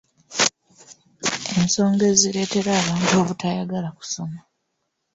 ensonga ezireetera abantu obutayagala kusoma.